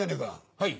はい。